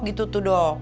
gitu tuh dok